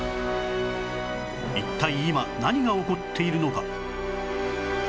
一体今何が起こっているのか？